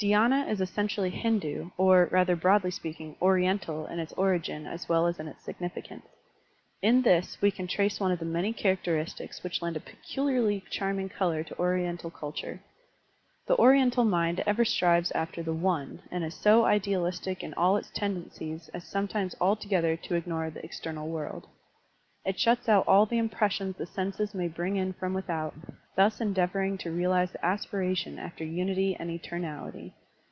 Dhydna is essentially Hindu or, rather broadly speaking. Oriental in its origin as well as in its significance. In this we can trace one of the many characteristics which lend a peculiarly charming color to Oriental culture. The Oriental mind ever strives after the One and is so idealistic in all its tendencies as sometimes altogether to ignore the external world. It shuts out all the impressions the senses may bring in from with out, thus endeavoring to realize the aspiration after unity and etemality.